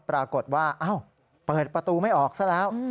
ปรากฏว่าเปิดประตูไม่ออกซะแล้ว